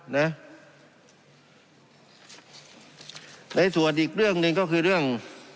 ในส่วนอีกเรื่องหนึ่งก็คือเรื่อง